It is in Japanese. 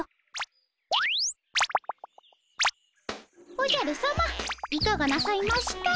おじゃるさまいかがなさいました？